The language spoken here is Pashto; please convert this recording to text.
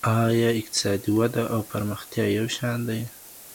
ایا اقتصادي وده او پرمختیا یو شان دي؟